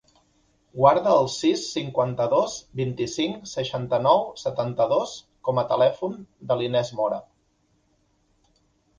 Guarda el sis, cinquanta-dos, vint-i-cinc, seixanta-nou, setanta-dos com a telèfon de l'Inés Mora.